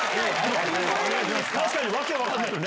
確かにわけ分かんないよね。